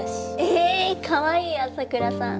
えかわいい麻倉さん！